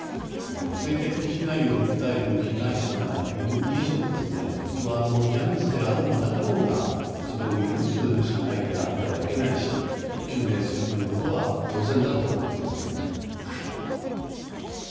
性的被害を訴える被害者がいる以上これはジャニーズであろうがなかろうがそれを許す社会であってはいけないし究明するということは当然だと思います。